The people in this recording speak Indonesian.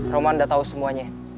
romanda tau semuanya